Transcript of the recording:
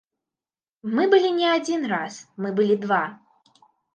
Мы былі не адзін раз, мы былі два.